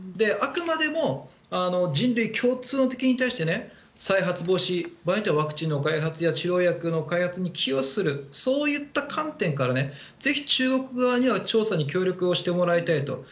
あくまでも人類共通の敵に対して再発防止、ワクチンの開発や治療薬の開発に寄与するそういった観点からぜひ、中国側には調査に協力してもらいたいと。